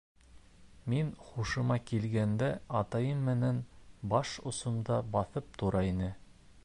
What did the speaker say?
Мин һушыма килгәндә, атайым минең баш осомда баҫып тора ине.